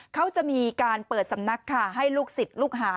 เขาจะมีการเปิดสำนักค่ะให้ลูกศิษย์ลูกหา